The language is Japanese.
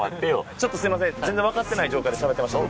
ちょっとすいません全然わかってない状態でしゃべってました僕。